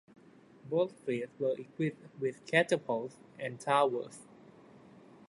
Both fleets were equipped with catapults and towers.